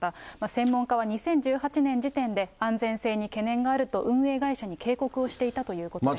専門家は２０１８年時点で、安全性に懸念があると運営会社に警告をしていたということです。